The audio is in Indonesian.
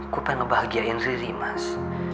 gua pengen ngebahagiain riri mas